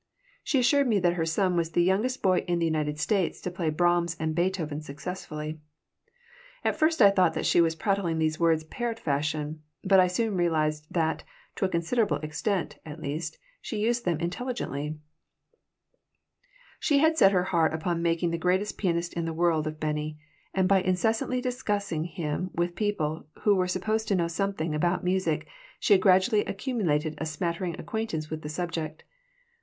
She assured me that her son was the youngest boy in the United States to play Brahms and Beethoven successfully. At first I thought that she was prattling these words parrot fashion, but I soon realized that, to a considerable extent, at least, she used them intelligently She had set her heart upon making the greatest pianist in the world of Bennie, and by incessantly discussing him with people who were supposed to know something about music she had gradually accumulated a smattering acquaintance with the subject.